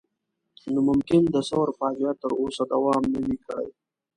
نو ممکن د ثور فاجعه تر اوسه دوام نه وای کړی.